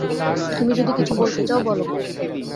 তুমি যদি কিছু বলতে চাও, বল।